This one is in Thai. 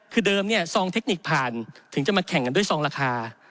คือเดิมเนี่ยซองเทคนิคผ่านถึงจะมาแข่งกันด้วยซองราคา